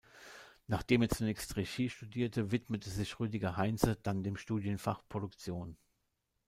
Nachdem er zunächst Regie studierte, widmete sich Rüdiger Heinze dann dem Studienfach Produktion.